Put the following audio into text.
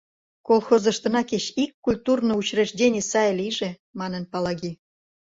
— Колхозыштына кеч ик культурный учреждений сай лийже, — манын Палаги.